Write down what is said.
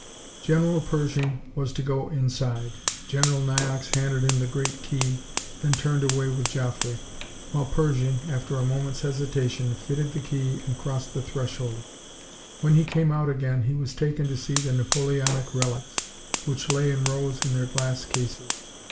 General Pershing was to go inside. General Niox handed him the great key, then turned away with Joffre, while Pershing, after a moment's hesitation, fitted the key and crossed the threshold. When he came out again he was taken to see the Napoleonic relics, which lay in rows in their glass cases.